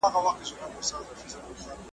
دلته چا په ویښه نه دی ازمېیلی .